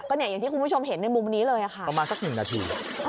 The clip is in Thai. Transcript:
อย่างที่คุณผู้ชมเห็นในมุมนี้เลยค่ะประมาณสักหนึ่งนาที